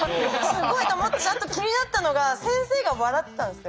すごいと思ったしあと気になったのが先生が笑ってたんですよ。